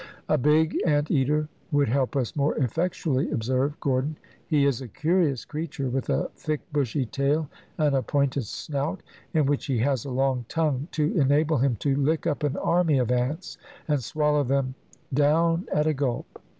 "A big ant eater would help us more effectually," observed Gordon. "He is a curious creature, with a thick bushy tail and a pointed snout, in which he has a long tongue, to enable him to lick up an army of ants and swallow them down at a gulp."